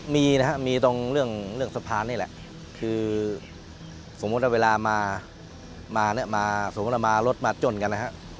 มีนะครับมีตรงเรื่องสะพานนี่แหละคือสมมุติว่าเวลามาเนี่ยมาสมมุติว่ามารถมาจนกันนะฮะ